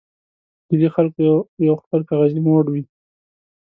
د دې خلکو یو خپل کاغذي موډ وي.